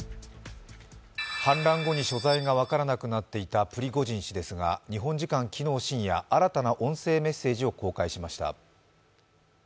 反乱後に所在が分からなくなっていたプリゴジン氏ですが、日本時間昨日深夜、新たな音声メッセージを公開しました。